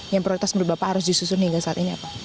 yang prioritas menurut bapak harus disusun hingga saat ini apa